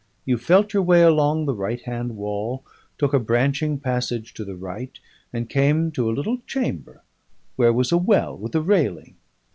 You felt your way along the right hand wall, took a branching passage to the right, and came to a little chamber, where was a well with a railing.